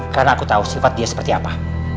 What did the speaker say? karena aku tau sifat dia seperti apa